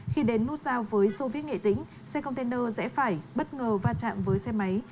khi đến nút giao với sô viết nghệ tĩnh xe container rẽ phải bất ngờ va chạm với xe máy